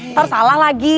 ntar salah lagi